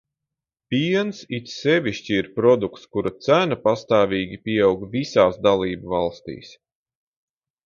Piens it sevišķi ir produkts, kura cena pastāvīgi pieaug visās dalībvalstīs.